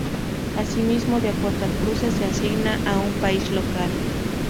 Asimismo, de acuerdo al cruce, se asigna a un país local.